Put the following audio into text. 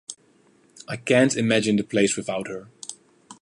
I can’t imagine the place without her.